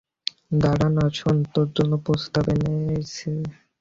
দাড়া না শোন, তোর জন্য প্রস্তাব এসেছে।